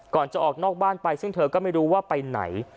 ก่อนจะออกนอกบ้านไปซึ่งเธอก็ไม่รู้ว่าไปไหน